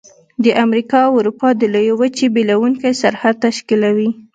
د امریکا او اروپا د لویې وچې بیلونکی سرحد تشکیلوي.